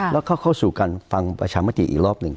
แล้วเข้าสู่การฟังประชามติอีกรอบหนึ่ง